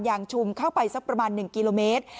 อย่างชุมเข้าไปสักประมาณหนึ่งกิโลเมตร